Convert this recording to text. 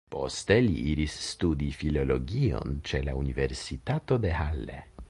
Poste li iris studi filologion ĉe la Universitato de Halle.